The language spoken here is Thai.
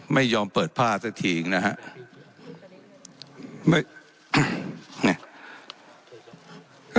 ไม่ยอมเปิดพลาดสักทีอีกนะครับ